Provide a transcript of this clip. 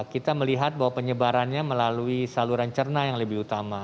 kita melihat bahwa penyebarannya melalui saluran cerna yang lebih utama